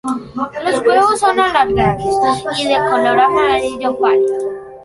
Los huevos son alargados y de color amarillo pálido.